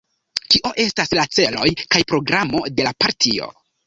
Kio estas la celoj kaj programo de la partio?